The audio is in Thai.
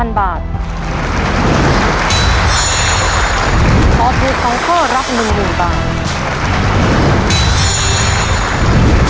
ตอบถูก๒ข้อรับ๑๐๐๐บาท